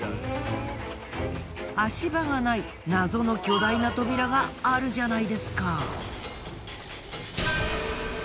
足場がない謎の巨大な扉があるじゃないですか。